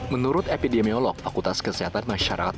menurut epidemiolog fakultas kesehatan masyarakat